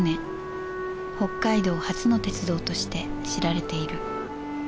北海道初の鉄道として知られている。